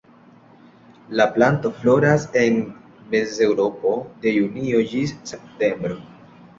La planto floras en Mezeŭropo de junio ĝis septembro.